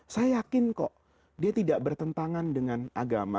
saya yakin kok dia tidak bertentangan dengan agama